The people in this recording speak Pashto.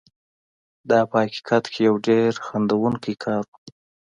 دا په حقیقت کې یو ډېر خندوونکی کار و.